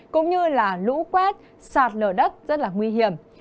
cũng như là lũ quét sạt lở đất rất là nguy hiểm